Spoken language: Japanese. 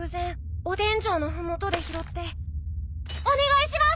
お願いします！